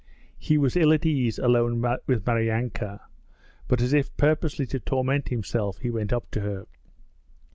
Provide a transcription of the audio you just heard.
He was ill at ease alone with Maryanka, but as if purposely to torment himself he went up to her.